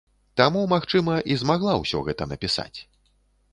Таму, магчыма, і змагла ўсё гэта напісаць.